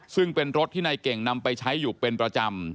ซึ่งเป็นรถที่นายเก่งนำไปใช้อยู่เป็นประจำ